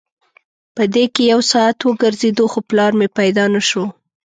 په دې کې یو ساعت وګرځېدو خو پلار مې پیدا نه شو.